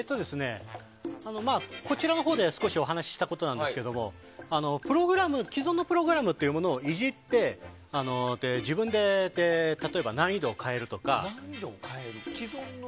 こちらのほうで少しお話したことなんですけど既存のプログラムをいじって例えば自分で難易度を変えるとか。